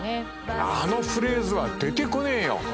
あのフレーズは出てこねえよ。